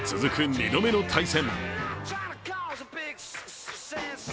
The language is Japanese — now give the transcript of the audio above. ２度目の対戦。